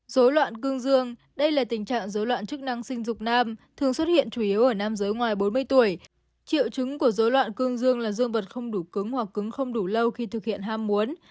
dối loạn cương dương đây là tình trạng dối loạn chức năng sinh dục nam thường xuất hiện chủ yếu ở nam giới ngoài bốn mươi tuổi triệu chứng của dối loạn cương dương là dương vật không đủ cứng hoặc cứng không đủ lâu khi thực hiện ham muốn